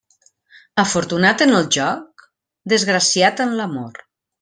Afortunat en el joc, desgraciat en l'amor.